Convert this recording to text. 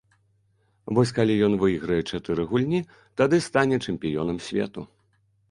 Вось калі ён выйграе чатыры гульні, тады стане чэмпіёнам свету.